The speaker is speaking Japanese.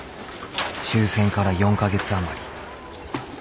終戦から４か月余り。